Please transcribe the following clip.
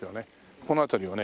この辺りをね